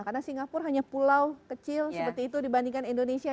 karena singapura hanya pulau kecil seperti itu dibandingkan indonesia